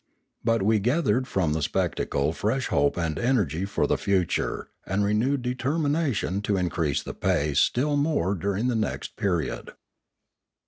But we gathered from the spectacle fresh hope and energy for the future, and renewed determ ination to increase the pace still more during the next period.